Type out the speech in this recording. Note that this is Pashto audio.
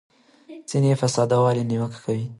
ځینې یې په ساده والي نیوکه کوي.